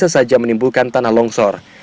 dan bisa saja menimbulkan tanah longsor